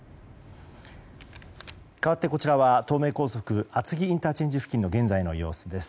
かわってこちらは東名高速厚木ＩＣ付近の現在の様子です。